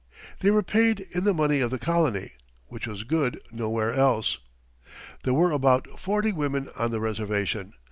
They were paid in the money of the colony, which was good nowhere else. There were about forty women on the reservation.